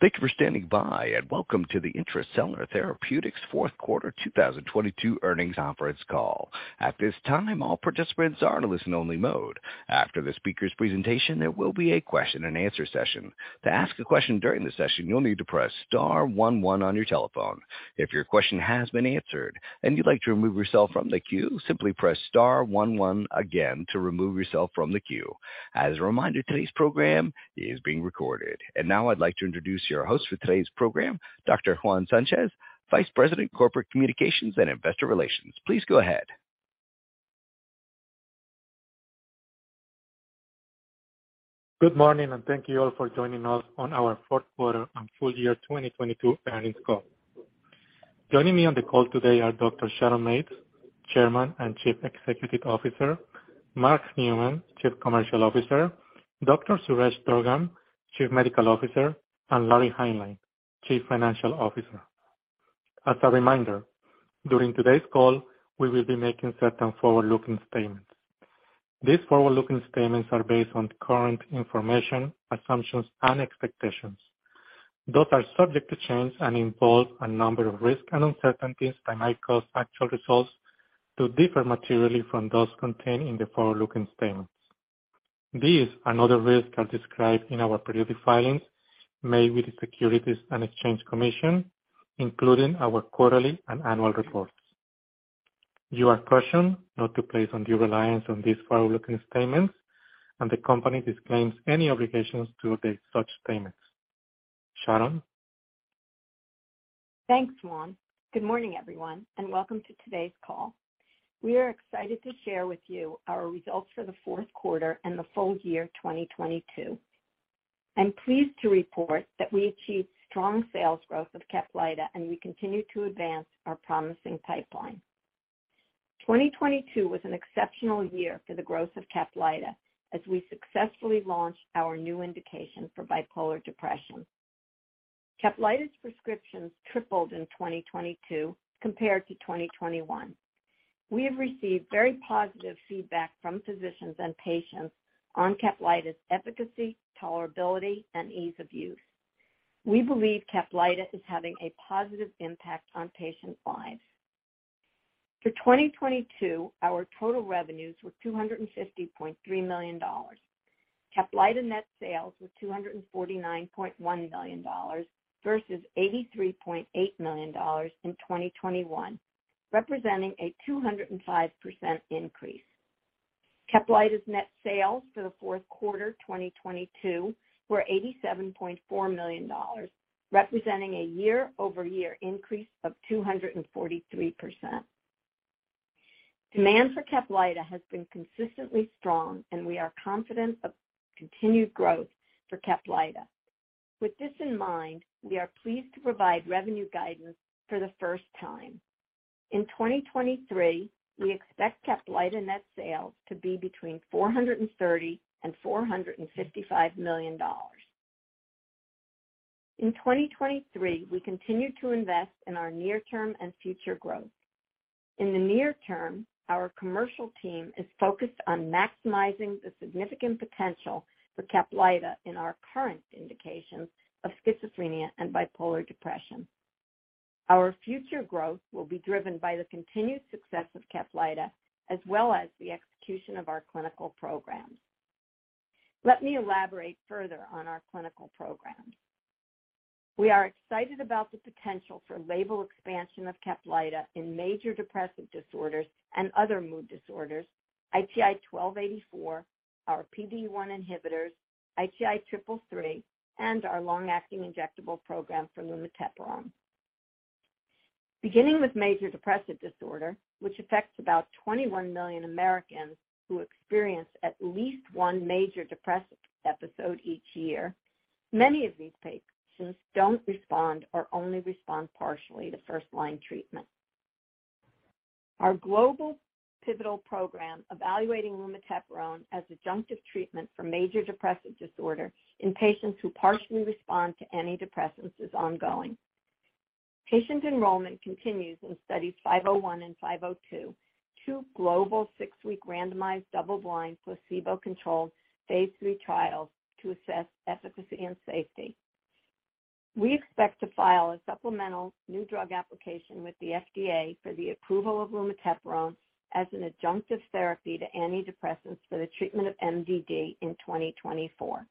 Thank you for standing by and welcome to the Intra-Cellular Therapies Fourth Quarter 2022 Earnings Conference Call. At this time, all participants are in listen only mode. After the speaker's presentation, there will be a question and answer session. To ask a question during the session, you'll need to press star one one on your telephone. If your question has been answered and you'd like to remove yourself from the queue, simply press star one one again to remove yourself from the queue. As a reminder, today's program is being recorded. Now I'd like to introduce your host for today's program, Dr. Juan Sanchez, Vice President, Corporate Communications and Investor Relations. Please go ahead. Good morning, and thank you all for joining us on our 4th Quarter and Full Year 2022 Earnings Call. Joining me on the call today are Dr. Sharon Mates, Chairman and Chief Executive Officer, Mark Neumann, Chief Commercial Officer, Dr. Suresh Durgam, Chief Medical Officer, and Larry Hineline, Chief Financial Officer. As a reminder, during today's call, we will be making certain forward-looking statements. These forward-looking statements are based on current information, assumptions and expectations. Those are subject to change and involve a number of risks and uncertainties that might cause actual results to differ materially from those contained in the forward-looking statements. These other risks are described in our periodic filings made with the Securities and Exchange Commission, including our quarterly and annual reports. You are cautioned not to place undue reliance on these forward-looking statements, and the company disclaims any obligations to update such statements. Sharon. Thanks, Juan. Good morning, everyone, and welcome to today's call. We are excited to share with you our results for the fourth quarter and the full year 2022. I'm pleased to report that we achieved strong sales growth of CAPLYTA, and we continue to advance our promising pipeline. 2022 was an exceptional year for the growth of CAPLYTA as we successfully launched our new indication for bipolar depression. CAPLYTA's prescriptions tripled in 2022 compared to 2021. We have received very positive feedback from physicians and patients on CAPLYTA's efficacy, tolerability, and ease of use. We believe CAPLYTA is having a positive impact on patients' lives. For 2022, our total revenues were $250.3 million. CAPLYTA net sales were $249.1 million versus $83.8 million in 2021, representing a 205% increase. CAPLYTA's net sales for the fourth quarter 2022 were $87.4 million, representing a year-over-year increase of 243%. Demand for CAPLYTA has been consistently strong and we are confident of continued growth for CAPLYTA. With this in mind, we are pleased to provide revenue guidance for the first time. In 2023, we expect CAPLYTA net sales to be between $430 million and $455 million. In 2023, we continue to invest in our near-term and future growth. In the near term, our commercial team is focused on maximizing the significant potential for CAPLYTA in our current indications of schizophrenia and bipolar depression. Our future growth will be driven by the continued success of CAPLYTA as well as the execution of our clinical programs. Let me elaborate further on our clinical programs. We are excited about the potential for label expansion of CAPLYTA in major depressive disorders and other mood disorders, ITI-1284, our PDE1 inhibitors, ITI-333, and our long-acting injectable program for lumateperone. Beginning with major depressive disorder, which affects about 21 million Americans who experience at least one major depressive episode each year. Many of these patients don't respond or only respond partially to first-line treatment. Our global pivotal program evaluating lumateperone as adjunctive treatment for major depressive disorder in patients who partially respond to antidepressants is ongoing. Patient enrollment continues in Study 501 and 502, two global six-week randomized double-blind placebo-controlled phase III trials to assess efficacy and safety. We expect to file a supplemental new drug application with the FDA for the approval of lumateperone as an adjunctive therapy to antidepressants for the treatment of MDD in 2024.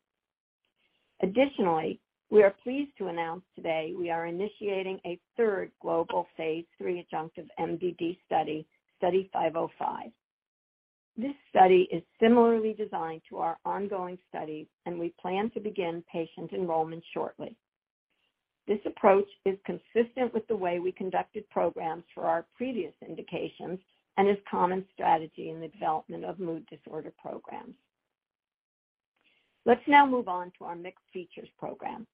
We are pleased to announce today we are initiating a third global phase III adjunctive MDD study, Study 505. This study is similarly designed to our ongoing study, we plan to begin patient enrollment shortly. This approach is consistent with the way we conducted programs for our previous indications and is common strategy in the development of mood disorder programs. Let's now move on to our mixed features program.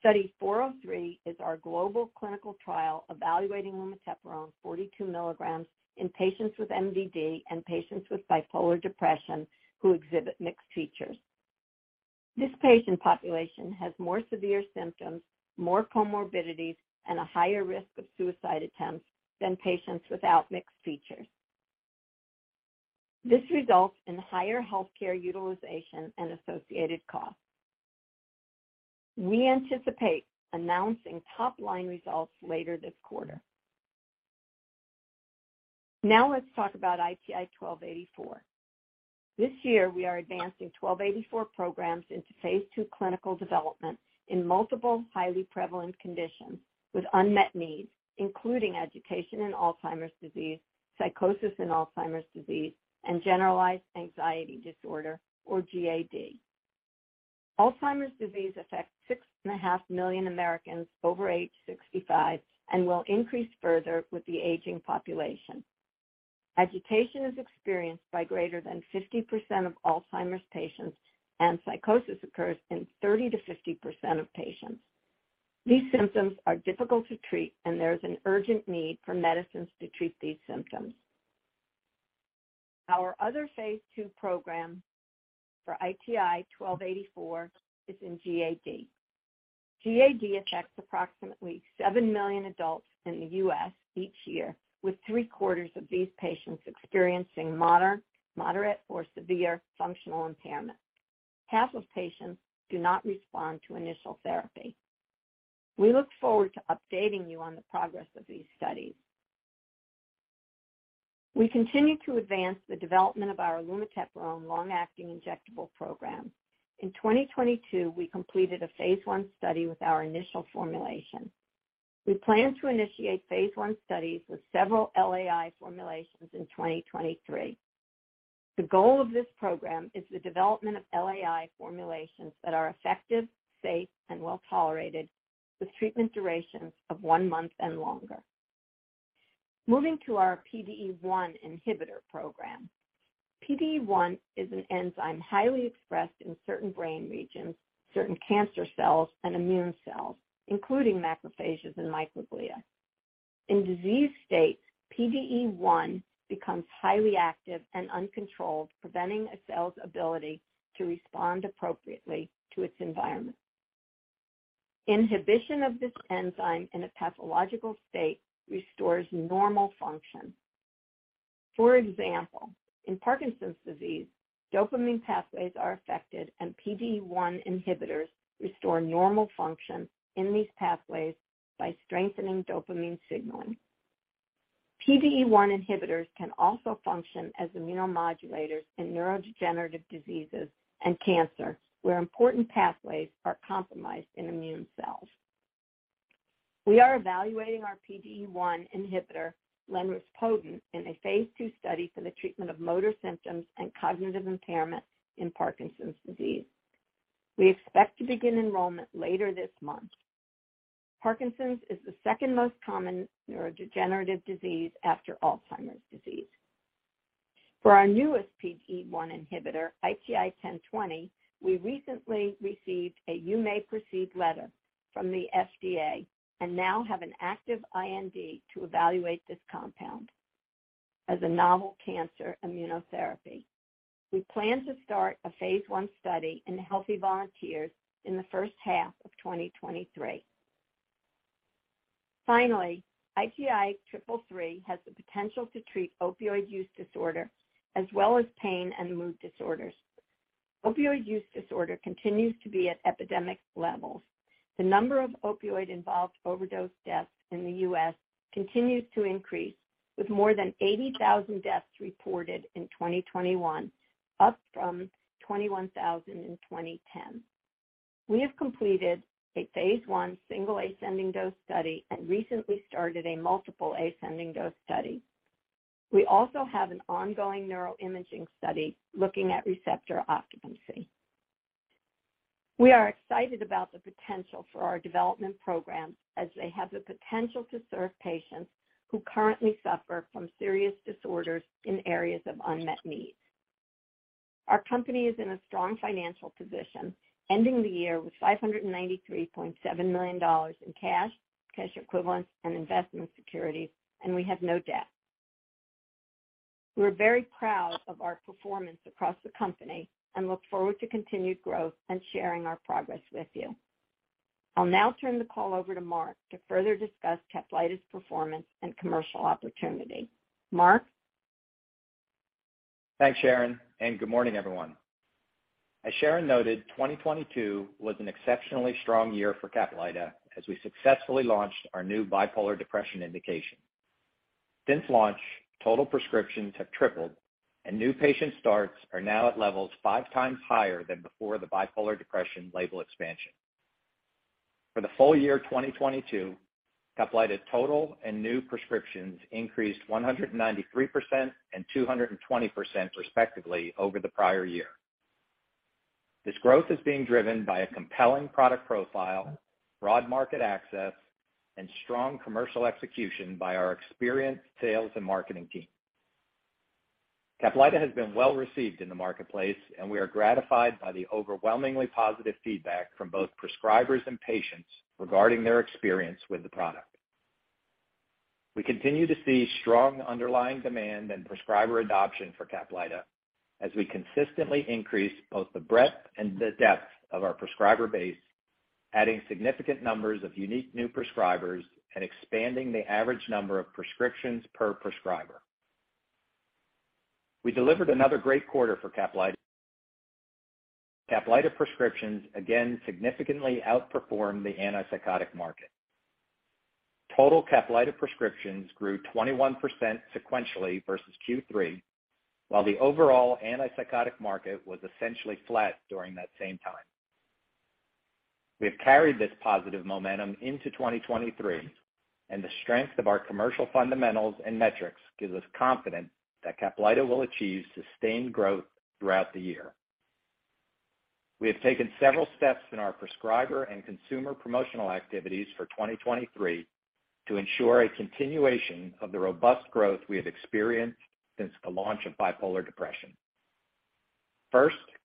Study 403 is our global clinical trial evaluating lumateperone 42 mg in patients with MDD and patients with bipolar depression who exhibit mixed features. This patient population has more severe symptoms, more comorbidities, and a higher risk of suicide attempts than patients without mixed features. This results in higher healthcare utilization and associated costs. We anticipate announcing top-line results later this quarter. Let's talk about ITI-1284. This year we are advancing 1284 programs into phase II clinical development in multiple highly prevalent conditions with unmet needs, including agitation in Alzheimer's disease, psychosis in Alzheimer's disease, and generalized anxiety disorder, or GAD. Alzheimer's disease affects 6.5 million Americans over age 65 and will increase further with the aging population. Agitation is experienced by greater than 50% of Alzheimer's patients, and psychosis occurs in 30%-50% of patients. These symptoms are difficult to treat, and there's an urgent need for medicines to treat these symptoms. Our other phase II program for ITI-1284 is in GAD. GAD affects approximately seven million adults in the U.S. each year, with three-quarters of these patients experiencing moderate or severe functional impairment. Half of patients do not respond to initial therapy. We look forward to updating you on the progress of these studies. We continue to advance the development of our lumateperone long-acting injectable program. In 2022, we completed a phase I study with our initial formulation. We plan to initiate phase I studies with several LAI formulations in 2023. The goal of this program is the development of LAI formulations that are effective, safe, and well-tolerated, with treatment durations of one month and longer. Moving to our PDE1 inhibitor program. PDE1 is an enzyme highly expressed in certain brain regions, certain cancer cells, and immune cells, including macrophages and microglia. In disease states, PDE1 becomes highly active and uncontrolled, preventing a cell's ability to respond appropriately to its environment. Inhibition of this enzyme in a pathological state restores normal function. For example, in Parkinson's disease, dopamine pathways are affected, and PDE1 inhibitors restore normal function in these pathways by strengthening dopamine signaling. PDE1 inhibitors can also function as immunomodulators in neurodegenerative diseases and cancer, where important pathways are compromised in immune cells. We are evaluating our PDE1 inhibitor, lenrispodun, in a phase II study for the treatment of motor symptoms and cognitive impairment in Parkinson's disease. We expect to begin enrollment later this month. Parkinson's is the second most common neurodegenerative disease after Alzheimer's disease. For our newest PDE1 inhibitor, ITI-1020, we recently received a You May Proceed letter from the FDA and now have an active IND to evaluate this compound as a novel cancer immunotherapy. We plan to start a phase I study in healthy volunteers in the first half of 2023. ITI-333 has the potential to treat opioid use disorder as well as pain and mood disorders. Opioid use disorder continues to be at epidemic levels. The number of opioid-involved overdose deaths in the U.S. continues to increase, with more than 80,000 deaths reported in 2021, up from 21,000 in 2010. We have completed a phase I single ascending dose study and recently started a multiple ascending dose study. We also have an ongoing neuroimaging study looking at receptor occupancy. We are excited about the potential for our development programs as they have the potential to serve patients who currently suffer from serious disorders in areas of unmet need. Our company is in a strong financial position, ending the year with $593.7 million in cash equivalents, and investment securities, and we have no debt. We're very proud of our performance across the company and look forward to continued growth and sharing our progress with you. I'll now turn the call over to Mark to further discuss CAPLYTA's performance and commercial opportunity. Mark? Thanks, Sharon. Good morning, everyone. As Sharon noted, 2022 was an exceptionally strong year for CAPLYTA as we successfully launched our new bipolar depression indication. Since launch, total prescriptions have tripled. New patient starts are now at levels five times higher than before the bipolar depression label expansion. For the full year 2022, CAPLYTA total and new prescriptions increased 193% and 220% respectively over the prior year. This growth is being driven by a compelling product profile, broad market access, and strong commercial execution by our experienced sales and marketing team. CAPLYTA has been well-received in the marketplace. We are gratified by the overwhelmingly positive feedback from both prescribers and patients regarding their experience with the product. We continue to see strong underlying demand and prescriber adoption for CAPLYTA as we consistently increase both the breadth and the depth of our prescriber base. Adding significant numbers of unique new prescribers and expanding the average number of prescriptions per prescriber. We delivered another great quarter for CAPLYTA. CAPLYTA prescriptions again significantly outperformed the antipsychotic market. Total CAPLYTA prescriptions grew 21% sequentially versus Q3, while the overall antipsychotic market was essentially flat during that same time. We have carried this positive momentum into 2023, and the strength of our commercial fundamentals and metrics gives us confidence that CAPLYTA will achieve sustained growth throughout the year. We have taken several steps in our prescriber and consumer promotional activities for 2023 to ensure a continuation of the robust growth we have experienced since the launch of bipolar depression.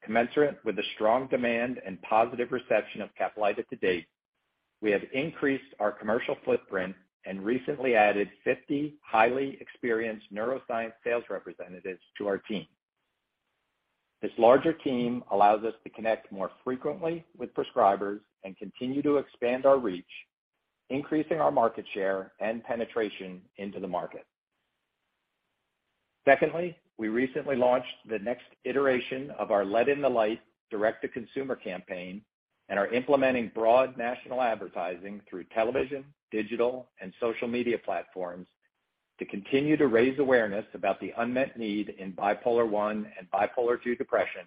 Commensurate with the strong demand and positive reception of CAPLYTA to date, we have increased our commercial footprint and recently added 50 highly experienced neuroscience sales representatives to our team. This larger team allows us to connect more frequently with prescribers and continue to expand our reach, increasing our market share and penetration into the market. We recently launched the next iteration of our Let in the Lyte direct-to-consumer campaign and are implementing broad national advertising through television, digital, and social media platforms to continue to raise awareness about the unmet need in bipolar I and bipolar II depression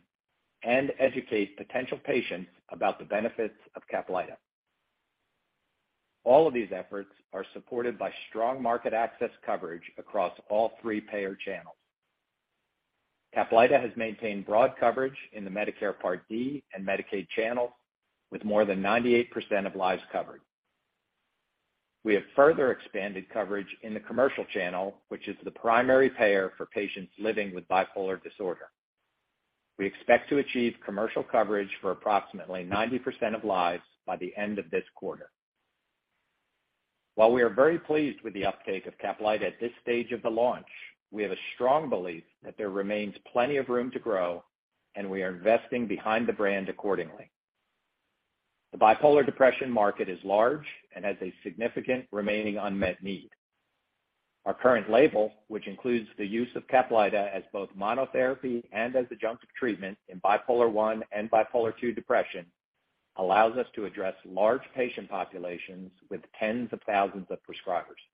and educate potential patients about the benefits of CAPLYTA. All of these efforts are supported by strong market access coverage across all three payer channels. CAPLYTA has maintained broad coverage in the Medicare Part D and Medicaid channels, with more than 98% of lives covered. We have further expanded coverage in the commercial channel, which is the primary payer for patients living with bipolar disorder. We expect to achieve commercial coverage for approximately 90% of lives by the end of this quarter. While we are very pleased with the uptake of CAPLYTA at this stage of the launch, we have a strong belief that there remains plenty of room to grow, we are investing behind the brand accordingly. The bipolar depression market is large and has a significant remaining unmet need. Our current label, which includes the use of CAPLYTA as both monotherapy and as adjunctive treatment in bipolar one and bipolar two depression, allows us to address large patient populations with tens of thousands of prescribers.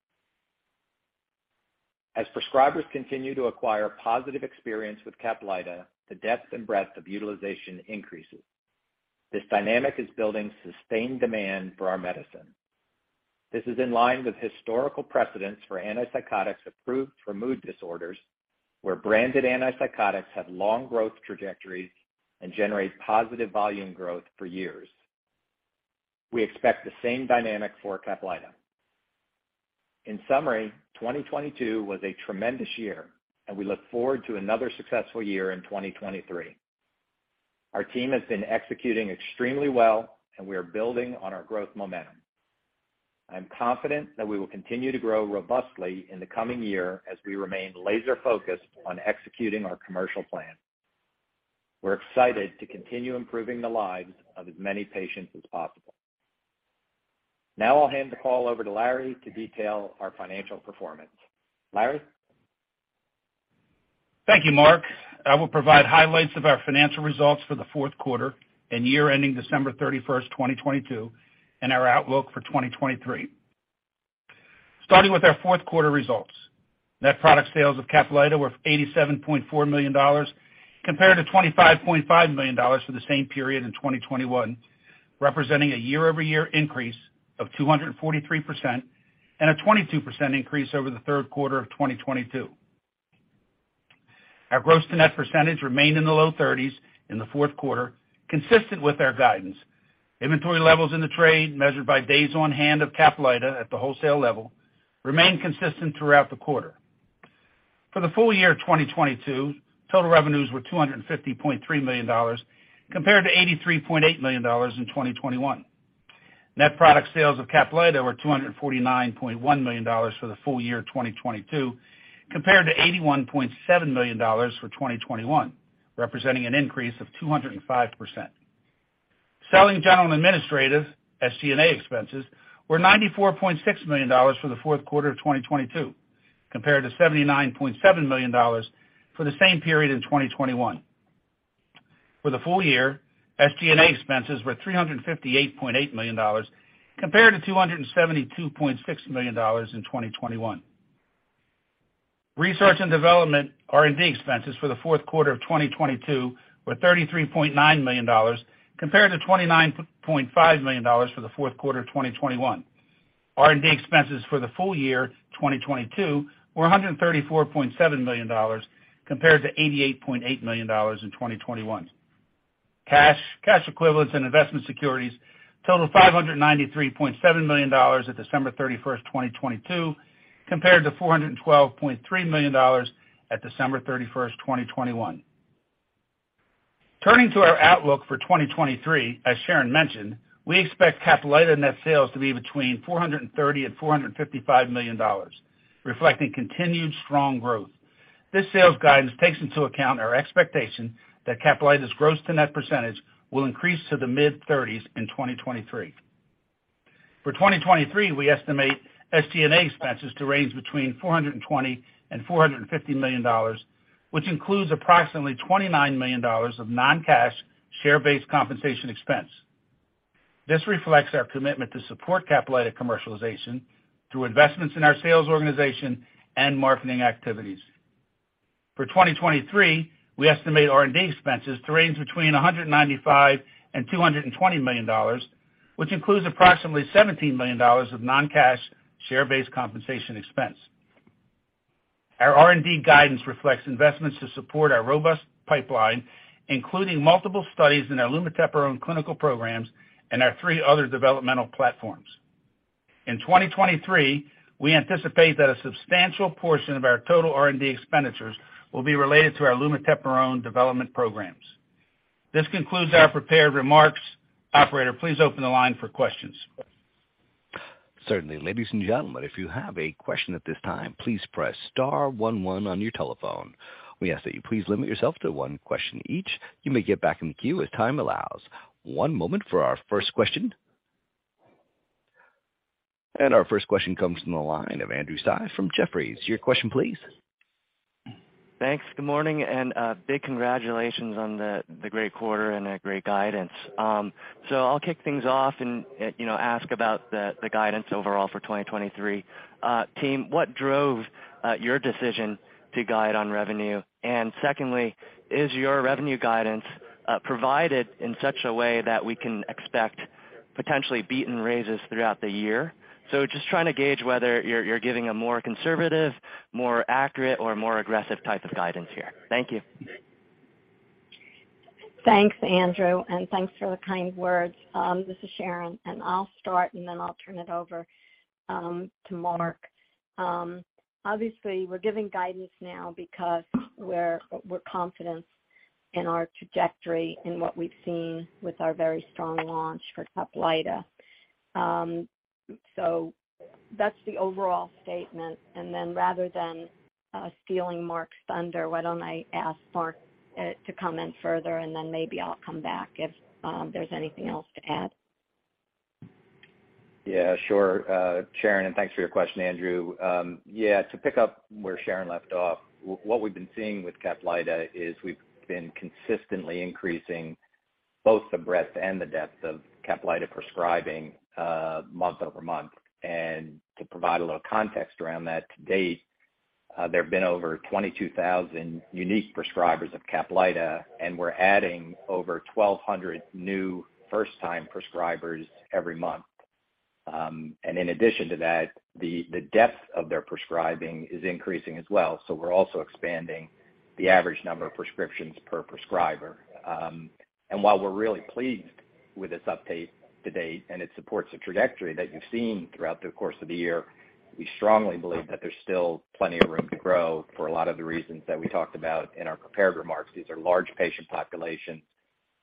As prescribers continue to acquire positive experience with CAPLYTA, the depth and breadth of utilization increases. This dynamic is building sustained demand for our medicine. This is in line with historical precedents for antipsychotics approved for mood disorders, where branded antipsychotics have long growth trajectories and generate positive volume growth for years. We expect the same dynamic for CAPLYTA. In summary, 2022 was a tremendous year, and we look forward to another successful year in 2023. Our team has been executing extremely well, and we are building on our growth momentum. I am confident that we will continue to grow robustly in the coming year as we remain laser-focused on executing our commercial plan. We're excited to continue improving the lives of as many patients as possible. Now I'll hand the call over to Larry to detail our financial performance. Larry? Thank you, Mark. I will provide highlights of our financial results for the fourth quarter and year ending December 31st, 2022, and our outlook for 2023. Starting with our fourth quarter results. Net product sales of CAPLYTA were $87.4 million compared to $25.5 million for the same period in 2021, representing a year-over-year increase of 243% and a 22% increase over the third quarter of 2022. Our gross-to-net percentage remained in the low 30s in the fourth quarter, consistent with our guidance. Inventory levels in the trade, measured by days on hand of CAPLYTA at the wholesale level, remained consistent throughout the quarter. For the full year of 2022, total revenues were $250.3 million, compared to $83.8 million in 2021. Net product sales of CAPLYTA were $249.1 million for the full year of 2022, compared to $81.7 million for 2021, representing an increase of 205%. Selling, general, and administrative, SG&A, expenses were $94.6 million for the fourth quarter of 2022, compared to $79.7 million for the same period in 2021. For the full year, SG&A expenses were $358.8 million, compared to $272.6 million in 2021. Research and development, R&D, expenses for the fourth quarter of 2022 were $33.9 million, compared to $29.5 million for the fourth quarter of 2021. R&D expenses for the full year 2022 were $134.7 million, compared to $88.8 million in 2021. Cash, cash equivalents and investment securities totaled $593.7 million at December 31st, 2022, compared to $412.3 million at December 31st, 2021. Turning to our outlook for 2023, as Sharon mentioned, we expect CAPLYTA net sales to be between $430 million and $455 million, reflecting continued strong growth. This sales guidance takes into account our expectation that CAPLYTA's gross to net percentage will increase to the mid-30s% in 2023. For 2023, we estimate SG&A expenses to range between $420 million and $450 million, which includes approximately $29 million of non-cash share-based compensation expense. This reflects our commitment to support CAPLYTA commercialization through investments in our sales organization and marketing activities. For 2023, we estimate R&D expenses to range between $195 million and $220 million, which includes approximately $17 million of non-cash share-based compensation expense. Our R&D guidance reflects investments to support our robust pipeline, including multiple studies in our lumateperone clinical programs and our three other developmental platforms. In 2023, we anticipate that a substantial portion of our total R&D expenditures will be related to our lumateperone development programs. This concludes our prepared remarks. Operator, please open the line for questions. Certainly. Ladies and gentlemen, if you have a question at this time, please press star one one on your telephone. We ask that you please limit yourself to one question each. You may get back in the queue as time allows. One moment for our first question. Our first question comes from the line of Andrew Tsai from Jefferies. Your question please. Thanks. Good morning, and big congratulations on the great quarter and a great guidance. I'll kick things off and, you know, ask about the guidance overall for 2023. Team, what drove your decision to guide on revenue? Secondly, is your revenue guidance provided in such a way that we can expect potentially beat and raises throughout the year? Just trying to gauge whether you're giving a more conservative, more accurate or more aggressive type of guidance here. Thank you. Thanks, Andrew, and thanks for the kind words. This is Sharon, and I'll start, and then I'll turn it over to Mark. Obviously, we're giving guidance now because we're confident in our trajectory in what we've seen with our very strong launch for CAPLYTA. That's the overall statement. Rather than stealing Mark's thunder, why don't I ask Mark to comment further, and then maybe I'll come back if there's anything else to add. Yeah, sure, Sharon, thanks for your question, Andrew. Yeah, to pick up where Sharon left off, what we've been seeing with CAPLYTA is we've been consistently increasing both the breadth and the depth of CAPLYTA prescribing, month-over-month. To provide a little context around that, to date, there have been over 22,000 unique prescribers of CAPLYTA, and we're adding over 1,200 new first time prescribers every month. In addition to that, the depth of their prescribing is increasing as well. We're also expanding the average number of prescriptions per prescriber. While we're really pleased with this update to date, and it supports the trajectory that you've seen throughout the course of the year, we strongly believe that there's still plenty of room to grow for a lot of the reasons that we talked about in our prepared remarks. These are large patient populations.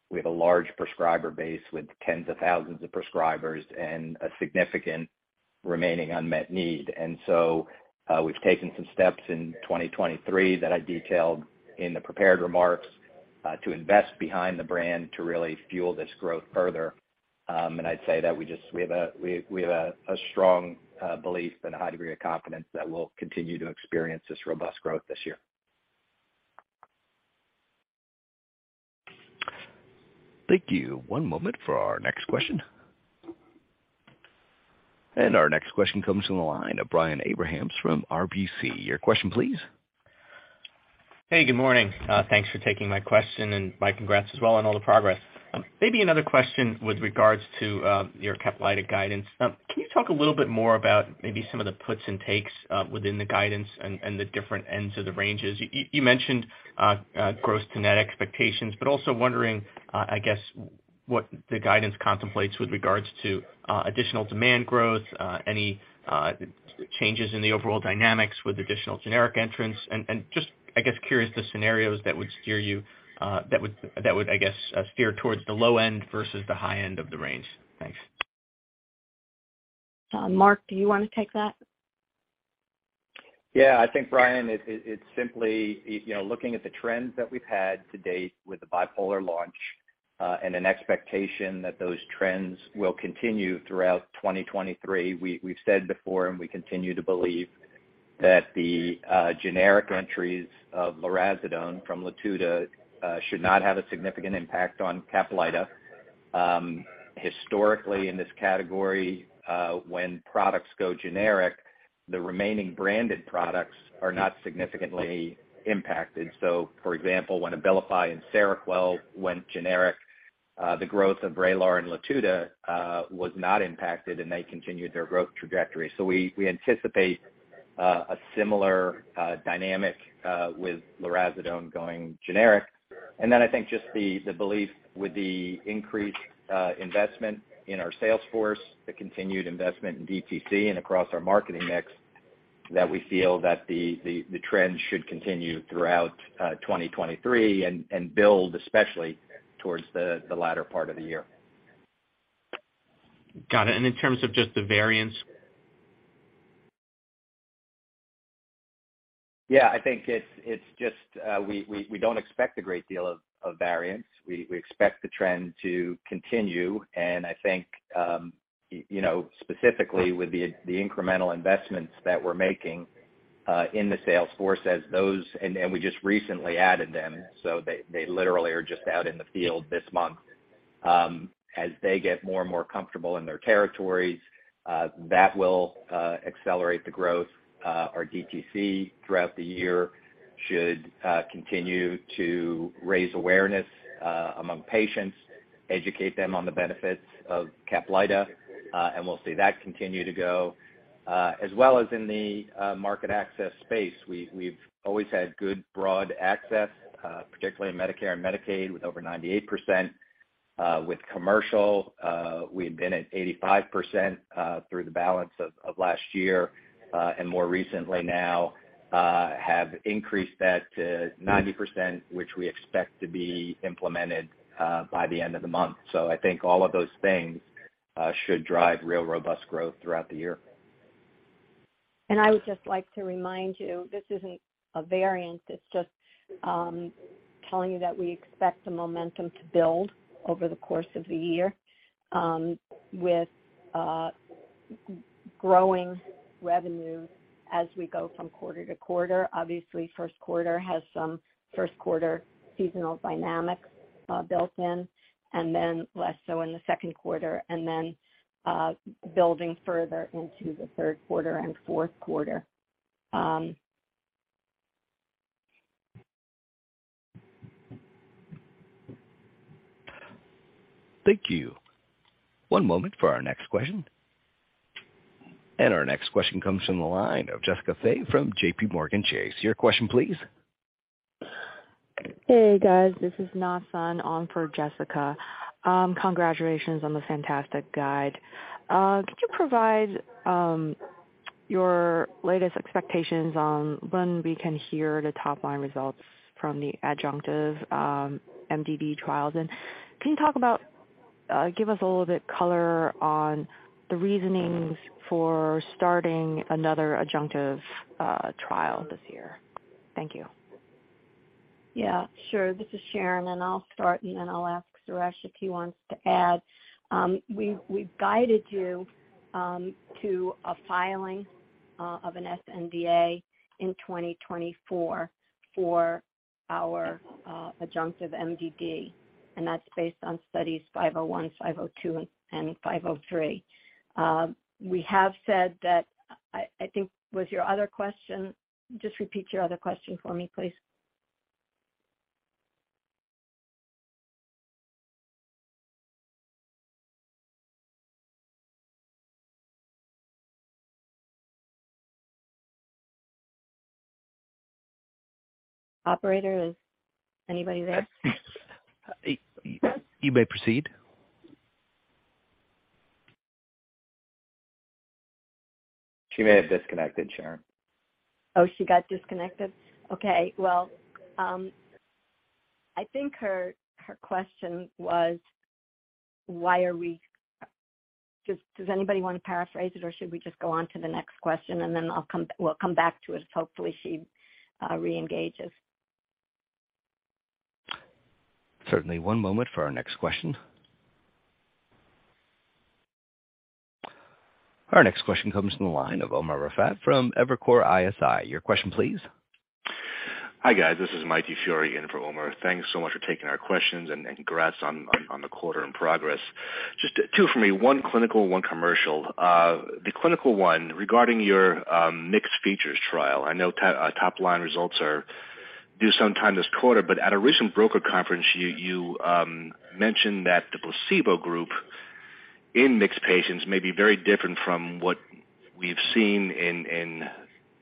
We have a large prescriber base with tens of thousands of prescribers and a significant remaining unmet need. We've taken some steps in 2023 that I detailed in the prepared remarks, to invest behind the brand to really fuel this growth further. And I'd say that we just, we have a strong belief and a high degree of confidence that we'll continue to experience this robust growth this year. Thank you. One moment for our next question. Our next question comes from the line of Brian Abrahams from RBC. Your question please. Hey, good morning. Thanks for taking my question and my congrats as well on all the progress. Maybe another question with regards to your CAPLYTA guidance. Can you talk a little bit more about maybe some of the puts and takes within the guidance and the different ends of the ranges? You mentioned gross to net expectations, but also wondering I guess what the guidance contemplates with regards to additional demand growth, any changes in the overall dynamics with additional generic entrants. Just, I guess, curious the scenarios that would steer you that would I guess steer towards the low end versus the high end of the range? Thanks. Mark, do you wanna take that? Yeah. I think, Brian, it's simply, you know, looking at the trends that we've had to date with the bipolar launch, and an expectation that those trends will continue throughout 2023. We've said before, and we continue to believe that the generic entries of lurasidone from Latuda should not have a significant impact on CAPLYTA. Historically in this category, when products go generic, the remaining branded products are not significantly impacted. For example, when Abilify and Seroquel went generic, the growth of Vraylar and Latuda was not impacted, and they continued their growth trajectory. We anticipate a similar dynamic with lurasidone going generic. I think just the belief with the increased investment in our sales force, the continued investment in DTC and across our marketing mix, that we feel that the trend should continue throughout 2023 and build especially towards the latter part of the year. Got it. In terms of just the variance? I think it's just, we don't expect a great deal of variance. We expect the trend to continue. I think, you know, specifically with the incremental investments that we're making in the sales force as those. We just recently added them, so they literally are just out in the field this month. As they get more and more comfortable in their territories, that will accelerate the growth. Our DTC throughout the year should continue to raise awareness among patients, educate them on the benefits of CAPLYTA, and we'll see that continue to go. As well as in the market access space, we've always had good broad access, particularly in Medicare and Medicaid, with over 98%. With commercial, we had been at 85% through the balance of last year, and more recently now, have increased that to 90%, which we expect to be implemented by the end of the month. I think all of those things should drive real robust growth throughout the year. I would just like to remind you, this isn't a variance. It's just telling you that we expect the momentum to build over the course of the year, with growing revenue as we go from quarter-to-quarter. Obviously, first quarter has some first quarter seasonal dynamics built in, and then less so in the second quarter, and then building further into the third quarter and fourth quarter. Thank you. One moment for our next question. Our next question comes from the line of Jessica Fye from JPMorgan Chase. Your question, please. Hey, guys, this is Nasson on for Jessica. Congratulations on the fantastic guide. Could you provide your latest expectations on when we can hear the top line results from the adjunctive MDD trials? Can you talk about, give us a little bit color on the reasonings for starting another adjunctive trial this year? Thank you. Yeah, sure. This is Sharon, and I'll start, and then I'll ask Suresh if he wants to add. We've guided you to a filing of an sNDA in 2024 for our adjunctive MDD, and that's based on Studies 501, 502, and 503. We have said that. I think with your other question, just repeat your other question for me, please. Operator, is anybody there? You may proceed. She may have disconnected, Sharon. Oh, she got disconnected? Okay. Well, I think her question was, why are we... Does anybody want to paraphrase it, or should we just go on to the next question then we'll come back to it, hopefully she reengages. Certainly. One moment for our next question. Our next question comes from the line of Umer Raffat from Evercore ISI. Your question, please. Hi, guys. This is Mike DiFiore in for Umer. Thanks so much for taking our questions and congrats on the quarter in progress. Just two for me, one clinical, one commercial. The clinical one, regarding your mixed features trial, I know top line results are due sometime this quarter, but at a recent broker conference, you mentioned that the placebo group in mixed patients may be very different from what we've seen in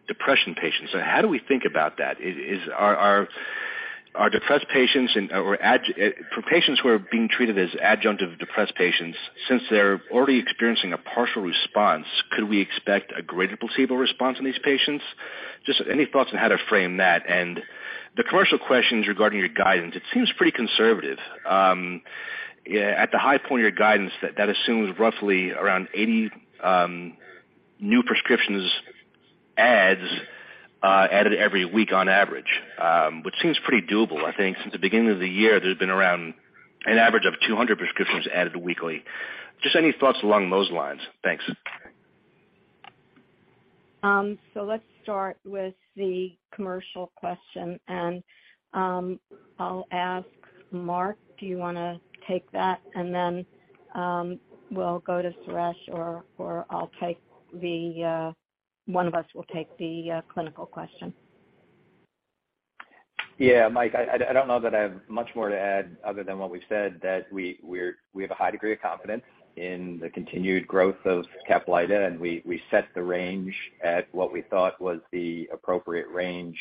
depression patients. How do we think about that? Are depressed patients or for patients who are being treated as adjunctive depressed patients, since they're already experiencing a partial response, could we expect a greater placebo response in these patients? Just any thoughts on how to frame that. The commercial questions regarding your guidance, it seems pretty conservative. At the high point of your guidance, that assumes roughly around 80 new prescriptions added every week on average, which seems pretty doable. I think since the beginning of the year, there's been around an average of 200 prescriptions added weekly. Any thoughts along those lines? Thanks. Let's start with the commercial question, and I'll ask Mark, do you wanna take that? We'll go to Suresh or I'll take the one of us will take the clinical question. Yeah, Mike, I don't know that I have much more to add other than what we've said, that we have a high degree of confidence in the continued growth of CAPLYTA, and we set the range at what we thought was the appropriate range,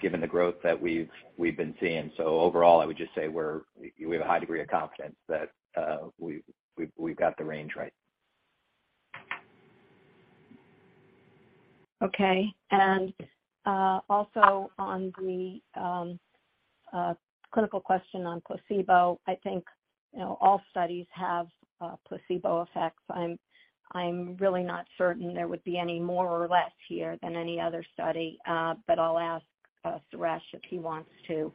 given the growth that we've been seeing. Overall, I would just say we have a high degree of confidence that we've got the range right. Okay. Also on the clinical question on placebo, I think, you know, all studies have placebo effects. I'm really not certain there would be any more or less here than any other study. I'll ask Suresh if he wants to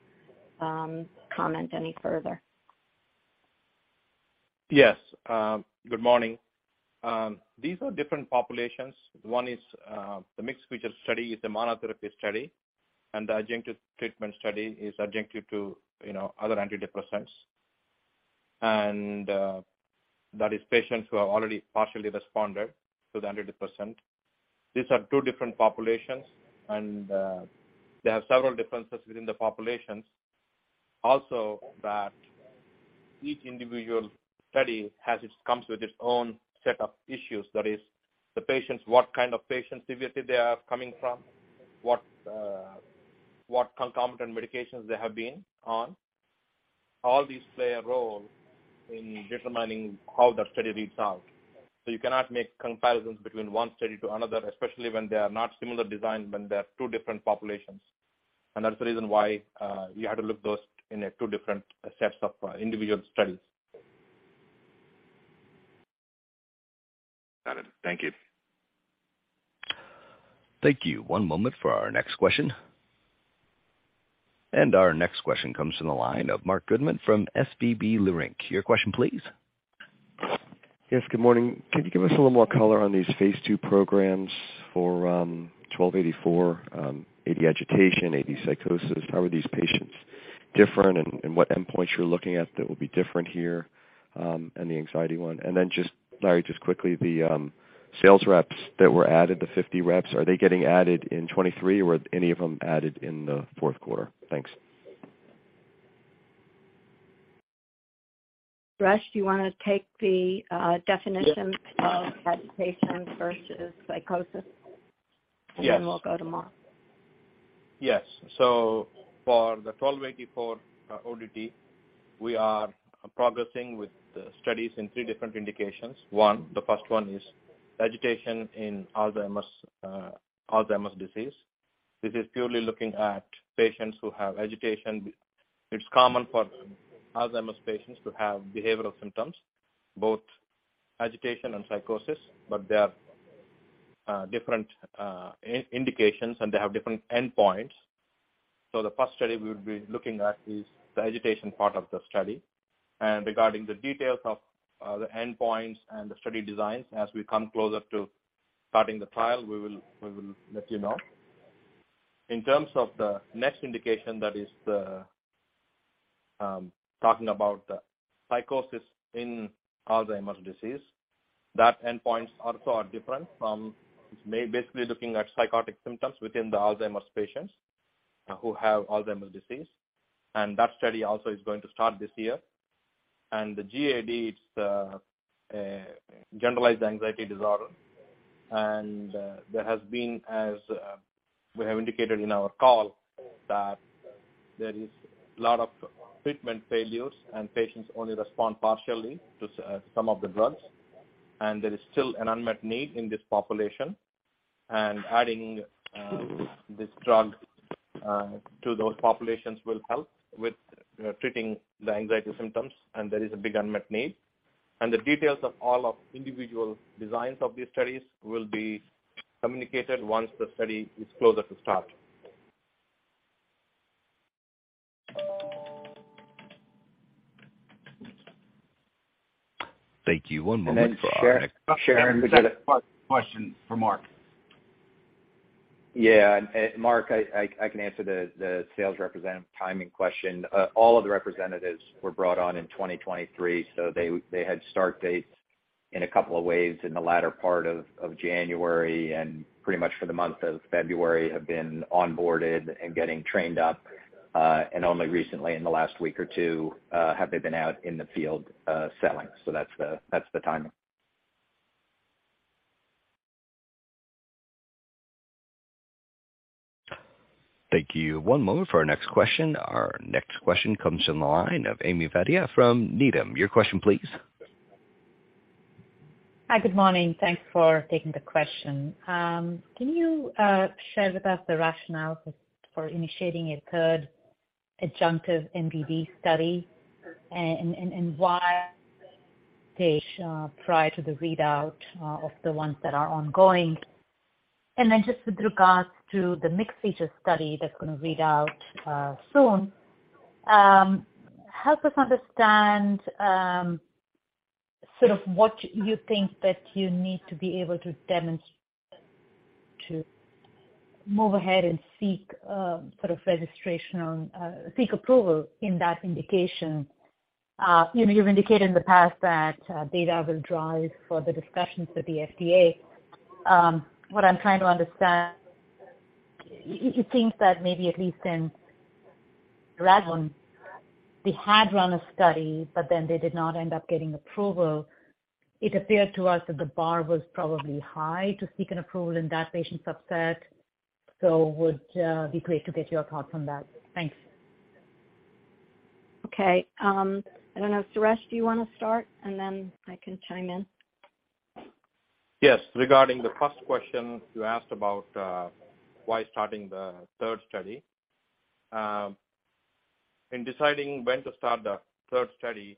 comment any further. Yes. Good morning. These are different populations. One is, the mixed feature study is the monotherapy study, and the adjunctive treatment study is adjunctive to, you know, other antidepressants. That is patients who have already partially responded to the antidepressant. These are two different populations, and they have several differences within the populations. Also, that each individual study comes with its own set of issues. That is the patients, what kind of patient severity they are coming from, what concomitant medications they have been on. All these play a role in determining how the study reads out. You cannot make comparisons between one study to another, especially when they are not similar designs, when they are two different populations. That's the reason why you had to look those in a two different sets of individual studies. Got it. Thank you. Thank you. One moment for our next question. Our next question comes from the line of Marc Goodman from SVB Leerink. Your question, please. Yes. Good morning. Can you give us a little more color on these phase II programs for ITI-1284, AD agitation, AD psychosis? How are these patients different and what endpoints you're looking at that will be different here, and the anxiety one? Then just, Larry, just quickly, the sales reps that were added, the 50 reps, are they getting added in 2023, or any of them added in the fourth quarter? Thanks. Suresh, do you wanna take the definition... Yes. of agitation versus psychosis? Yes. Then we'll go to Mark. Yes. For the ITI-1284 ODT, we are progressing with the studies in three different indications. The first one is agitation in Alzheimer's disease. This is purely looking at patients who have agitation. It's common for Alzheimer's patients to have behavioral symptoms, both agitation and psychosis. They are different indications, and they have different endpoints. The first study we would be looking at is the agitation part of the study. Regarding the details of the endpoints and the study designs, as we come closer to starting the trial, we will let you know. In terms of the next indication, that is the talking about psychosis in Alzheimer's disease, that endpoints also are different from... It's basically looking at psychotic symptoms within the Alzheimer's patients who have Alzheimer's disease. That study also is going to start this year. The GAD, it's generalized anxiety disorder. There has been, as we have indicated in our call, that there is a lot of treatment failures, and patients only respond partially to some of the drugs. There is still an unmet need in this population. Adding this drug to those populations will help with treating the anxiety symptoms, and there is a big unmet need. The details of all of individual designs of these studies will be communicated once the study is closer to start. Thank you. One moment for our next- Sharon, we got a question from Mark. Yeah. Mark, I can answer the sales representative timing question. All of the representatives were brought on in 2023, so they had start dates in a couple of waves in the latter part of January and pretty much for the month of February have been onboarded and getting trained up. Only recently in the last week or two, have they been out in the field, selling. That's the, that's the timing. Thank you. One moment for our next question. Our next question comes from the line of Ami Fadia from Needham. Your question please. Hi, good morning. Thanks for taking the question. Can you share with us the rationale for initiating a third adjunctive MDD study and why stage prior to the readout of the ones that are ongoing? Just with regards to the mixed feature study that's gonna read out soon, help us understand what you think that you need to be able to demonstrate to move ahead and seek sort of registration on, seek approval in that indication. You know, you've indicated in the past that data will drive for the discussions with the FDA. What I'm trying to understand, it seems that maybe at least in [drug on], they had run a study, but then they did not end up getting approval. It appeared to us that the bar was probably high to seek an approval in that patient subset. Would be great to get your thoughts on that. Thanks. Okay. I don't know. Suresh, do you wanna start and then I can chime in? Yes. Regarding the first question you asked about, why starting the third study. In deciding when to start the third study,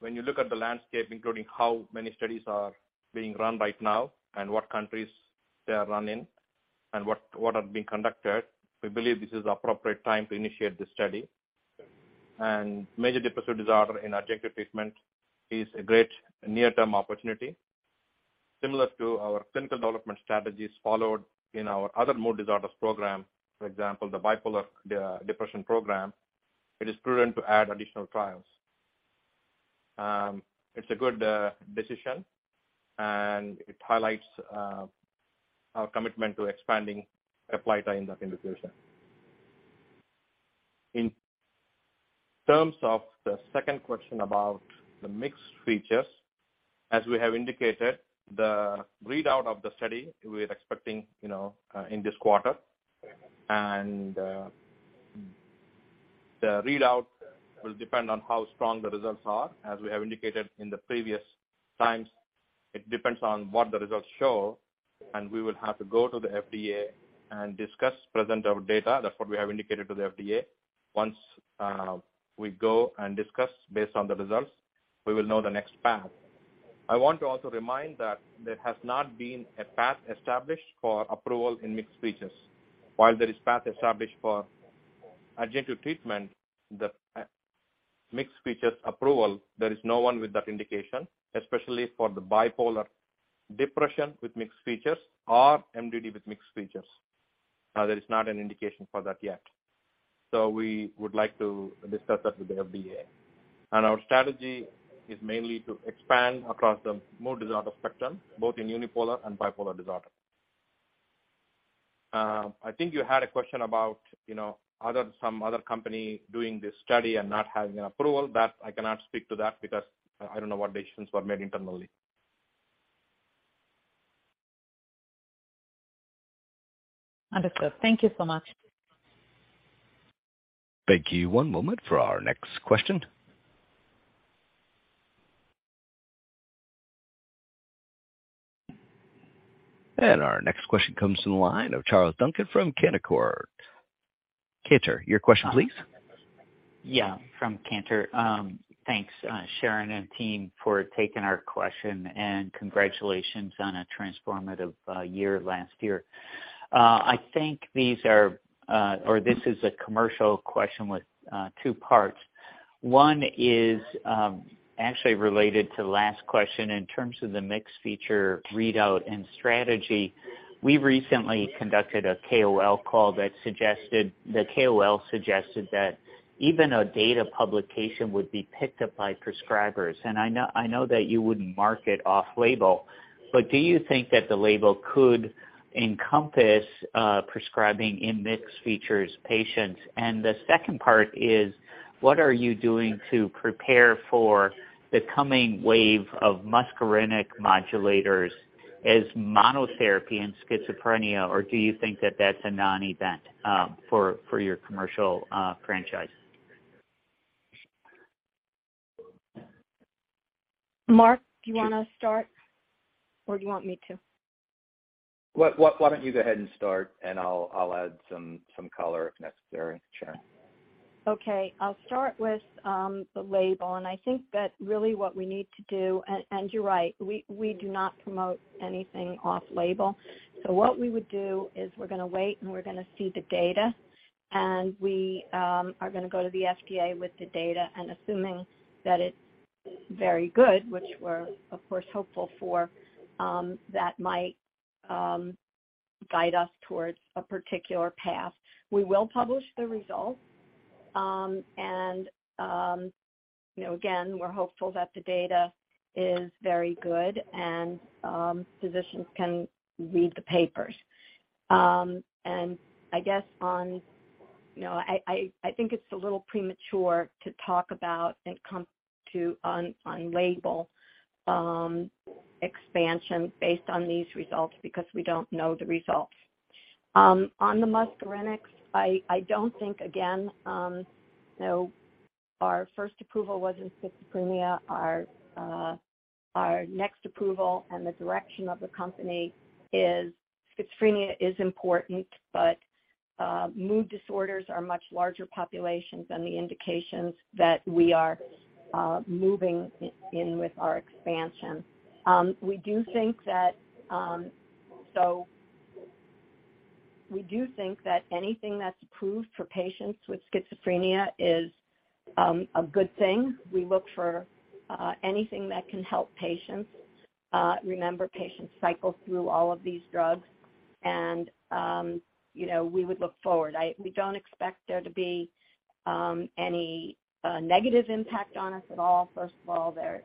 when you look at the landscape, including how many studies are being run right now and what countries they are run in and what are being conducted, we believe this is the appropriate time to initiate the study. Major depressive disorder in adjunctive treatment is a great near-term opportunity. Similar to our clinical development strategies followed in our other mood disorders program, for example, the bipolar depression program, it is prudent to add additional trials. It's a good decision, and it highlights our commitment to expanding CAPLYTA in that indication. In terms of the second question about the mixed features, as we have indicated, the readout of the study, we're expecting, you know, in this quarter. The readout will depend on how strong the results are. As we have indicated in the previous times, it depends on what the results show, and we will have to go to the FDA and discuss present our data. That's what we have indicated to the FDA. Once we go and discuss based on the results, we will know the next path. I want to also remind that there has not been a path established for approval in mixed features. While there is path established for adjunctive treatment, the mixed features approval, there is no one with that indication, especially for the bipolar depression with mixed features or MDD with mixed features. There is not an indication for that yet. We would like to discuss that with the FDA. Our strategy is mainly to expand across the mood disorder spectrum, both in unipolar and bipolar disorder. I think you had a question about, you know, some other company doing this study and not having an approval. That I cannot speak to that because I don't know what decisions were made internally. Understood. Thank you so much. Thank you. One moment for our next question. Our next question comes from the line of Charles Duncan from Canaccord. Cantor, your question please. Yeah, from Cantor Fitzgerald. Thanks, Sharon and team for taking our question, and congratulations on a transformative year last year. I think this is a commercial question with two parts. One is, actually related to last question in terms of the mixed features readout and strategy. We recently conducted a KOL call, the KOL suggested that even a data publication would be picked up by prescribers. I know that you wouldn't market off label, but do you think that the label could encompass prescribing in mixed features patients? The second part is, what are you doing to prepare for the coming wave of muscarinic modulators as monotherapy in schizophrenia, or do you think that that's a non-event for your commercial franchise? Mark, do you wanna start, or do you want me to? Why don't you go ahead and start and I'll add some color if necessary, Sharon. Okay. I'll start with the label. I think that really what we need to do. You're right, we do not promote anything off label. What we would do is we're gonna wait, and we're gonna see the data, and we are gonna go to the FDA with the data, and assuming that it's very good, which we're of course hopeful for, that might guide us towards a particular path. We will publish the results. You know, again, we're hopeful that the data is very good and physicians can read the papers. I guess on. You know, I think it's a little premature to talk about it come to on label expansion based on these results because we don't know the results. On the muscarinic, I don't think, again, you know, our first approval was in schizophrenia. Our next approval and the direction of the company is schizophrenia is important, but mood disorders are much larger populations than the indications that we are moving in with our expansion. We do think that anything that's approved for patients with schizophrenia is a good thing. We look for anything that can help patients. Remember, patients cycle through all of these drugs and, you know, we would look forward. We don't expect there to be any negative impact on us at all. First of all, they're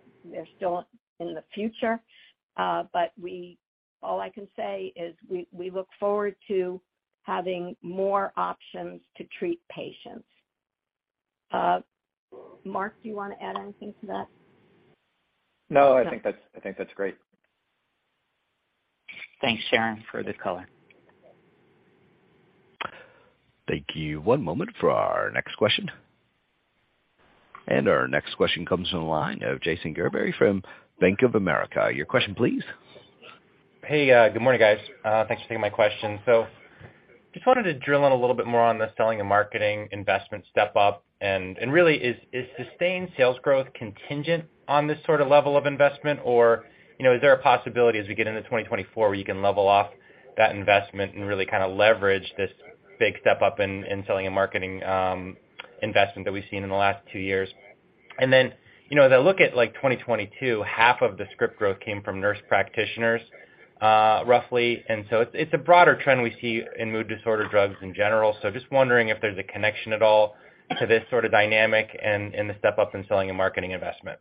still in the future. All I can say is we look forward to having more options to treat patients. Mark, do you wanna add anything to that? No, I think that's, I think that's great. Thanks, Sharon, for the color. Thank you. One moment for our next question. Our next question comes from the line of Jason Gerberry from Bank of America. Your question, please. Hey, good morning, guys. Thanks for taking my question. Just wanted to drill in a little bit more on the selling and marketing investment step up, and really is sustained sales growth contingent on this sort of level of investment? You know, is there a possibility as we get into 2024 where you can level off that investment and really kinda leverage this big step up in selling and marketing investment that we've seen in the last two years? You know, as I look at, like, 2022, half of the script growth came from nurse practitioners, roughly. It's a broader trend we see in mood disorder drugs in general. Just wondering if there's a connection at all to this sort of dynamic and the step up in selling and marketing investment.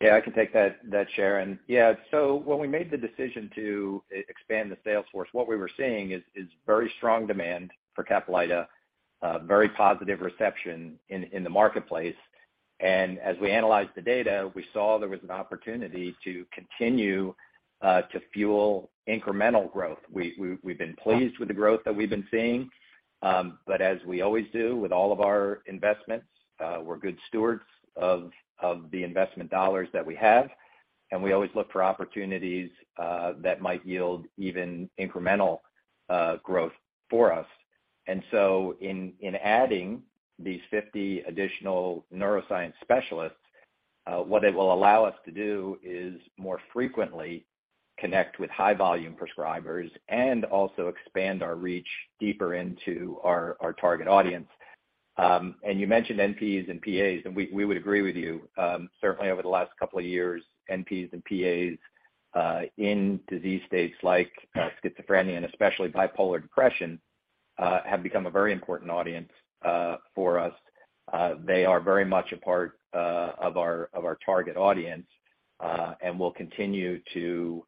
Yeah, I can take that, Sharon. Yeah. When we made the decision to expand the sales force, what we were seeing is very strong demand for CAPLYTA, very positive reception in the marketplace. As we analyzed the data, we saw there was an opportunity to continue to fuel incremental growth. We've been pleased with the growth that we've been seeing. As we always do with all of our investments, we're good stewards of the investment dollars that we have, and we always look for opportunities that might yield even incremental growth for us. In adding these 50 additional neuroscience specialists, what it will allow us to do is more frequently connect with high volume prescribers and also expand our reach deeper into our target audience. You mentioned NPs and PAs, and we would agree with you. Certainly over the last couple of years, NPs and PAs, in disease states like schizophrenia and especially bipolar depression, have become a very important audience for us. They are very much a part of our target audience, and we'll continue to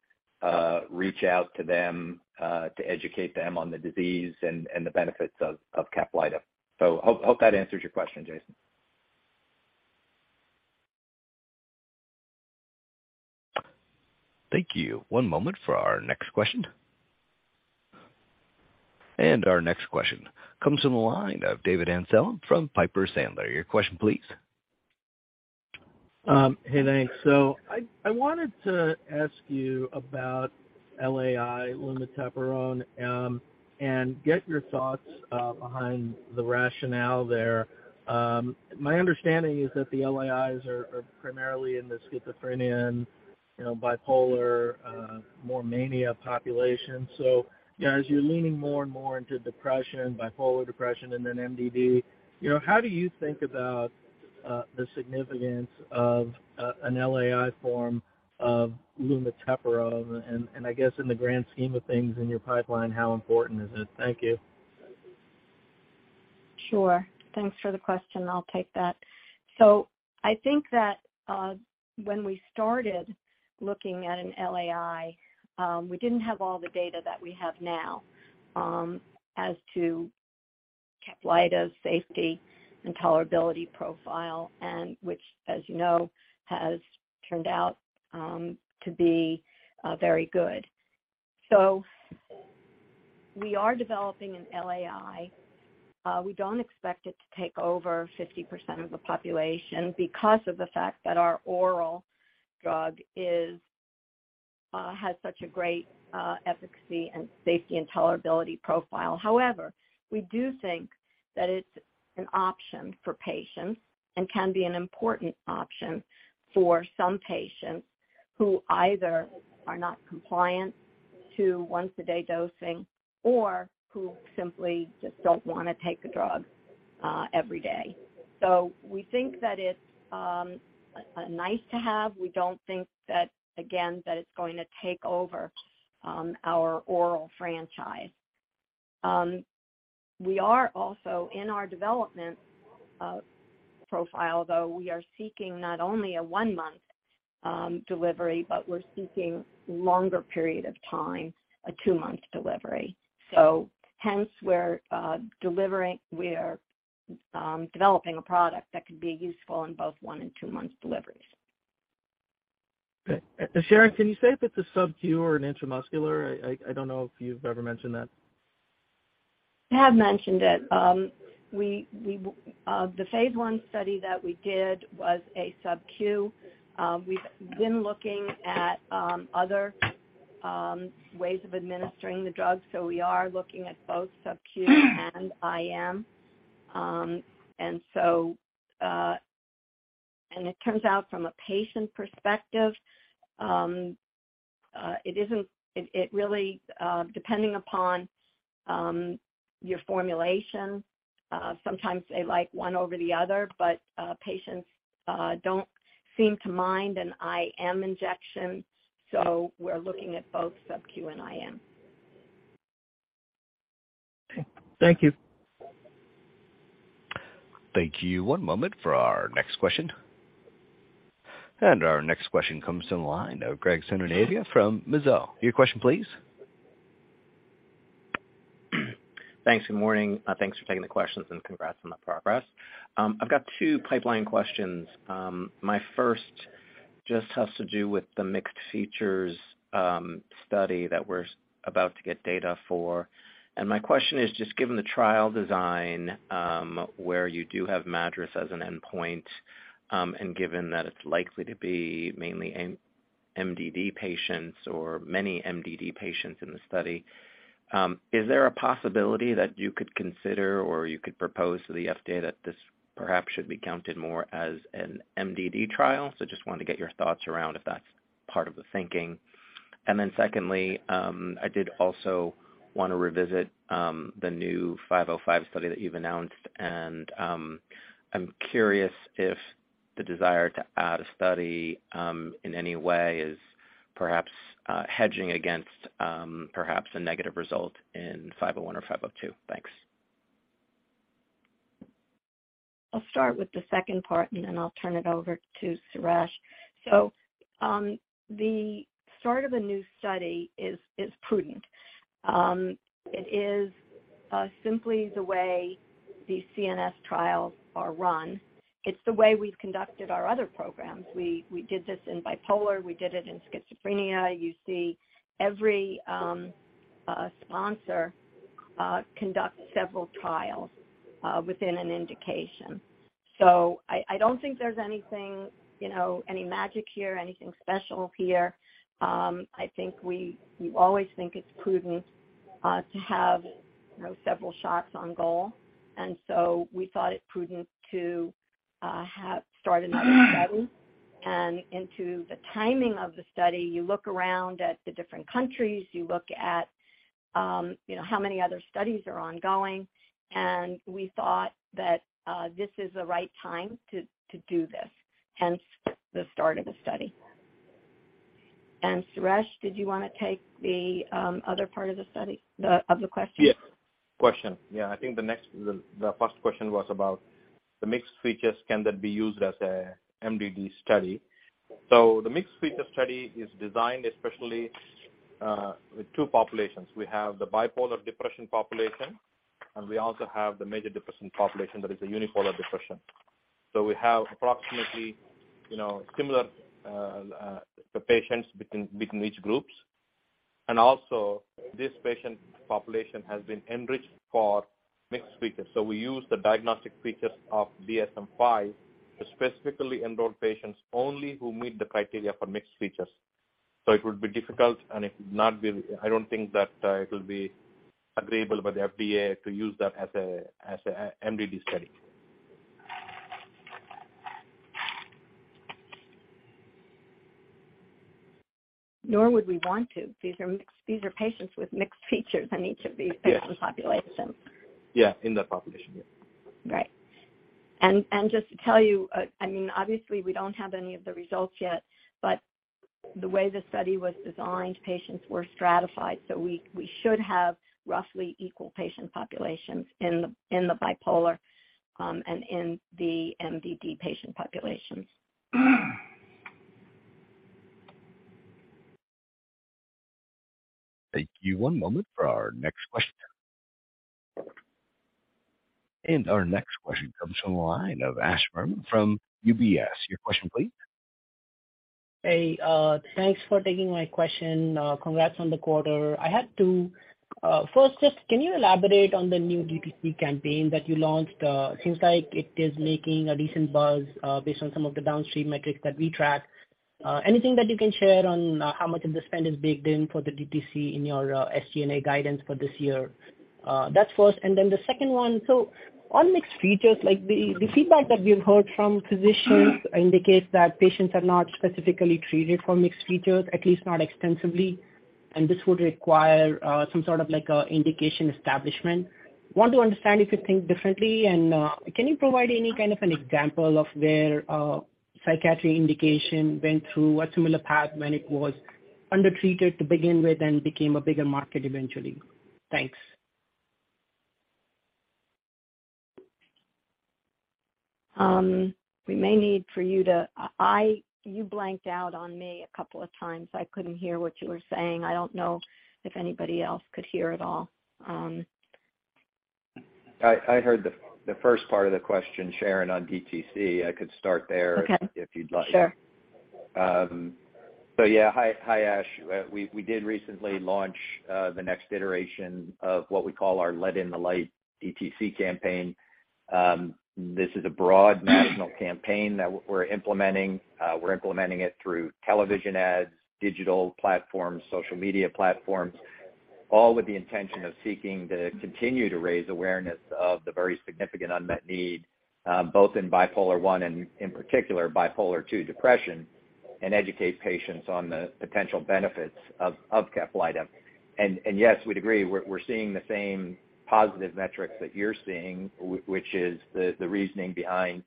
reach out to them to educate them on the disease and the benefits of Caplyta. Hope that answers your question, Jason. Thank you. One moment for our next question. Our next question comes from the line of David Amsellem from Piper Sandler. Your question, please. Hey, thanks. I wanted to ask you about LAI lumateperone and get your thoughts behind the rationale there. My understanding is that the LAIs are primarily in the schizophrenia and, you know, bipolar, more mania population. You know, as you're leaning more and more into depression, bipolar depression, and then MDD, you know, how do you think about the significance of an LAI form of lumateperone? And I guess in the grand scheme of things in your pipeline, how important is it? Thank you. Sure. Thanks for the question. I'll take that. I think that when we started looking at an LAI, we didn't have all the data that we have now, as to CAPLYTA's safety and tolerability profile, and which, as you know, has turned out to be very good. We are developing an LAI. We don't expect it to take over 50% of the population because of the fact that our oral drug is has such a great efficacy and safety and tolerability profile. However, we do think that it's an option for patients and can be an important option for some patients who either are not compliant to once-a-day dosing or who simply just don't wanna take a drug every day. We think that it's a nice to have. We don't think that, again, that it's going to take over, our oral franchise. We are also in our development profile, though, we are seeking not only a one-month delivery, but we're seeking longer period of time, a two-month delivery. Hence we are developing a product that can be useful in both one and two-months deliveries. Okay. Sharon, can you say if it's a sub-Q or an intramuscular? I don't know if you've ever mentioned that. I have mentioned it. We the phase I study that we did was a sub-Q. We've been looking at other ways of administering the drug, so we are looking at both sub-Q and IM. It turns out from a patient perspective, it isn't really depending upon your formulation, sometimes they like one over the other, but patients don't seem to mind an IM injection. We're looking at both sub-Q and IM. Okay. Thank you. Thank you. One moment for our next question. Our next question comes to the line of Graig Suvannavejh from Mizuho. Your question please. Thanks. Good morning. Thanks for taking the questions, and congrats on the progress. I've got two pipeline questions. My first just has to do with the mixed features study that we're about to get data for. My question is just given the trial design, where you do have MADRS as an endpoint, and given that it's likely to be mainly MDD patients or many MDD patients in the study, is there a possibility that you could consider or you could propose to the FDA that this perhaps should be counted more as an MDD trial? Just wanted to get your thoughts around if that's part of the thinking. Secondly, I did also wanna revisit the new Study 505 that you've announced. I'm curious if the desire to add a study, in any way is perhaps, hedging against, perhaps a negative result in Study 501 or Study 502. Thanks. I'll start with the second part, then I'll turn it over to Suresh. The start of a new study is prudent. It is simply the way these CNS trials are run. It's the way we've conducted our other programs. We did this in bipolar. We did it in schizophrenia. You see every sponsor conduct several trials within an indication. I don't think there's anything, you know, any magic here, anything special here. I think we always think it's prudent to have, you know, several shots on goal. We thought it prudent to start another study. Into the timing of the study, you look around at the different countries, you look at, you know, how many other studies are ongoing. We thought that, this is the right time to do this, hence the start of the study. Suresh, did you wanna take the other part of the study, of the question? Yes. Question. I think the first question was about the mixed features, can that be used as a MDD study? The mixed feature study is designed especially with two populations. We have the bipolar depression population, and we also have the major depression population that is a unipolar depression. We have approximately, you know, similar the patients between each groups. This patient population has been enriched for mixed features. We use the diagnostic features of DSM-5 to specifically enroll patients only who meet the criteria for mixed features. It would be difficult and it would not be, I don't think that it'll be agreeable by the FDA to use that as a MDD study. Nor would we want to. These are mixed. These are patients with mixed features in each of these- Yes. patient populations. Yeah, in that population. Yeah. Right. Just to tell you, I mean, obviously we don't have any of the results yet, but the way the study was designed, patients were stratified. We should have roughly equal patient populations in the bipolar and in the MDD patient populations. Thank you. One moment for our next question. Our next question comes from the line of Ash Verma from UBS. Your question please. Hey, thanks for taking my question. Congrats on the quarter. I had two. First, just can you elaborate on the new DTC campaign that you launched? Seems like it is making a decent buzz, based on some of the downstream metrics that we track. Anything that you can share on, how much of the spend is baked in for the DTC in your SG&A guidance for this year? That's first. Then the second one, so on mixed features, like the feedback that we've heard from physicians indicates that patients are not specifically treated for mixed features, at least not extensively. This would require, some sort of like a indication establishment. Want to understand if you think differently and, can you provide any kind of an example of where a psychiatry indication went through a similar path when it was undertreated to begin with and became a bigger market eventually? Thanks. We may need for you to... you blanked out on me a couple of times. I couldn't hear what you were saying. I don't know if anybody else could hear at all. I heard the first part of the question, Sharon, on DTC. I could start there. Okay. If you'd like. Sure. Yeah. Hi. Hi, Ash. We did recently launch the next iteration of what we call our Let in the Lyte DTC campaign. This is a broad national campaign that we're implementing. We're implementing it through television ads, digital platforms, social media platforms, all with the intention of seeking to continue to raise awareness of the very significant unmet need, both in bipolar one and in particular bipolar two depression, and educate patients on the potential benefits of CAPLYTA. Yes, we'd agree, we're seeing the same positive metrics that you're seeing, which is the reasoning behind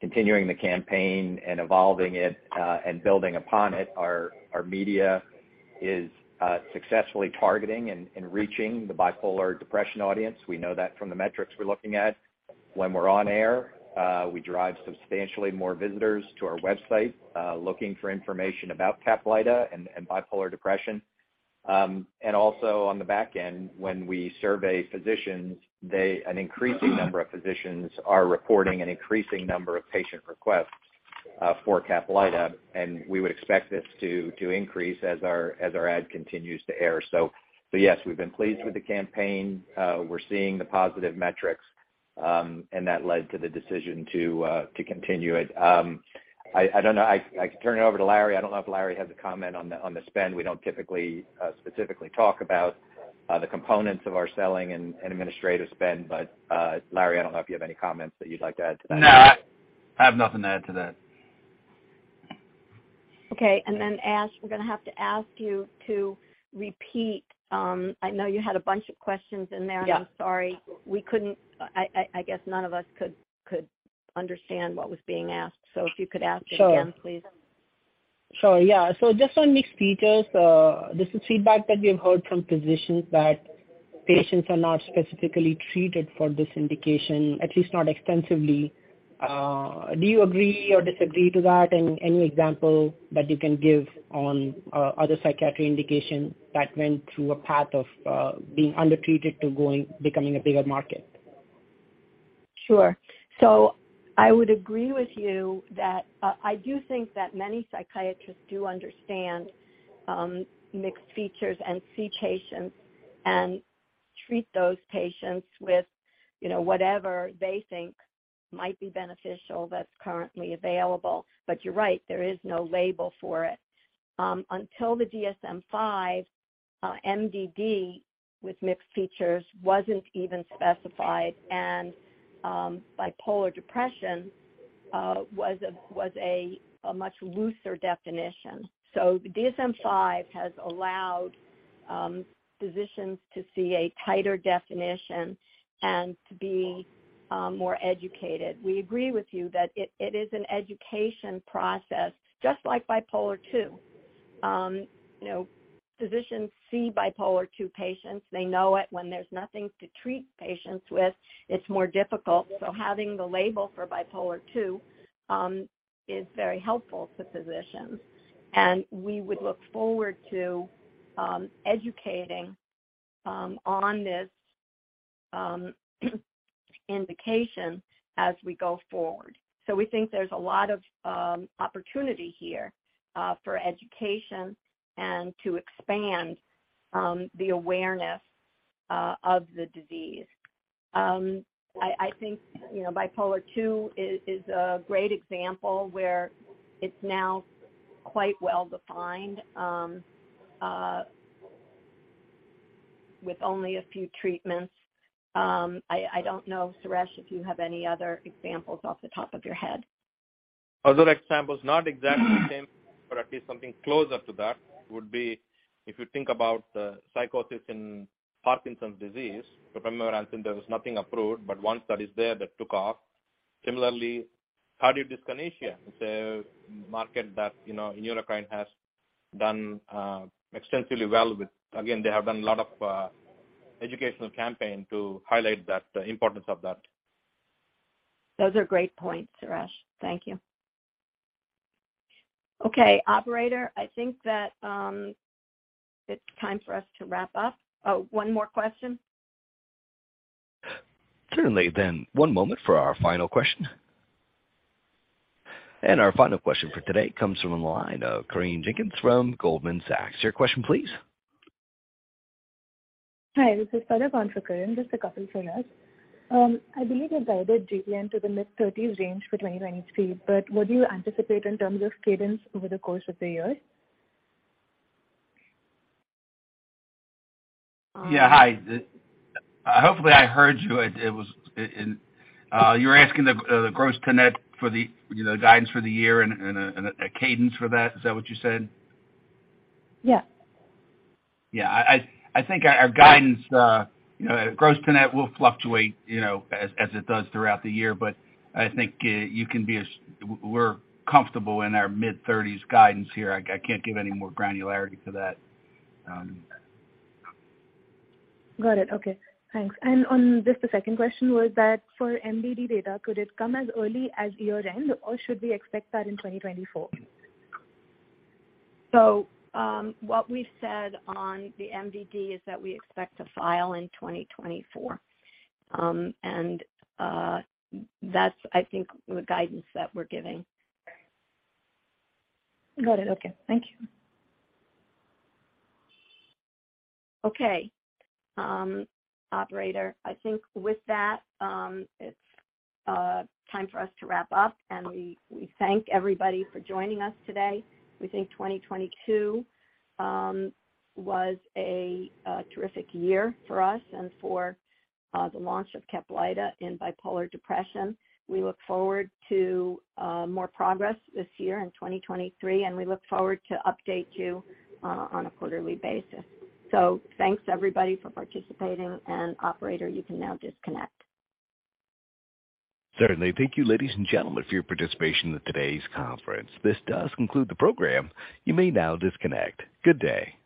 continuing the campaign and evolving it and building upon it. Our media is successfully targeting and reaching the bipolar depression audience. We know that from the metrics we're looking at. When we're on air, we drive substantially more visitors to our website, looking for information about CAPLYTA and bipolar depression. And also on the back end, when we survey physicians, an increasing number of physicians are reporting an increasing number of patient requests for CAPLYTA, and we would expect this to increase as our ad continues to air. Yes, we've been pleased with the campaign. We're seeing the positive metrics, and that led to the decision to continue it. I don't know. I can turn it over to Larry. I don't know if Larry has a comment on the spend. We don't typically, specifically talk about the components of our selling and administrative spend. Larry, I don't know if you have any comments that you'd like to add to that. No, I have nothing to add to that. Okay, Ash, we're gonna have to ask you to repeat. I know you had a bunch of questions in there. Yeah. I'm sorry, I guess none of us could understand what was being asked. If you could ask it again, please. Sure. Sure. Yeah. Just on mixed features, this is feedback that we have heard from physicians that patients are not specifically treated for this indication, at least not extensively. Do you agree or disagree to that? Any example that you can give on other psychiatry indication that went through a path of being undertreated to going, becoming a bigger market? Sure. I would agree with you that I do think that many psychiatrists do understand mixed features and see patients and treat those patients with, you know, whatever they think might be beneficial that's currently available. You're right, there is no label for it. Until the DSM-5, MDD with mixed features wasn't even specified and bipolar depression was a much looser definition. The DSM-5 has allowed physicians to see a tighter definition and to be more educated. We agree with you that it is an education process, just like bipolar II. You know, physicians see bipolar II patients. They know it. When there's nothing to treat patients with, it's more difficult. Having the label for bipolar II is very helpful to physicians. We would look forward to educating on this indication as we go forward. We think there's a lot of opportunity here for education and to expand the awareness of the disease. I think, you know, bipolar II is a great example where it's now quite well-defined with only a few treatments. I don't know, Suresh, if you have any other examples off the top of your head? Other examples, not exactly the same, but at least something closer to that would be if you think about the psychosis in Parkinson's disease, lumateperone, there was nothing approved, but one study there that took off. Similarly, tardive dyskinesia is a market that, you know, Neurocrine has done extensively well with. Again, they have done a lot of educational campaign to highlight that, the importance of that. Those are great points, Suresh. Thank you. Operator, I think that it's time for us to wrap up. Oh, one more question. Certainly. One moment for our final question. Our final question for today comes from the line of Corinne Jenkins from Goldman Sachs. Your question please. Hi, this is Got it. Okay. Thanks. just the second question was that for MDD data, could it come as early as year-end or should we expect that in 2024? What we've said on the MDD is that we expect to file in 2024. and that's I think the guidance that we're giving. Got it. Okay. Thank you. Okay. operator, I think with that, it's time for us to wrap up, and we thank everybody for joining us today. We think 2022 was a terrific year for us and for the launch of CAPLYTA in bipolar depression. We look forward to more progress this year in 2023, and we look forward to update you on a quarterly basis. thanks everybody for participating, and operator, you can now disconnect. Certainly. Thank you, ladies and gentlemen, for your participation in today's conference. This does conclude the program. You may now disconnect. Good day.